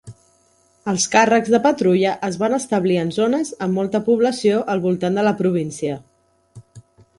Els càrrecs de patrulla es van establir en zones amb molta població al voltant de la província.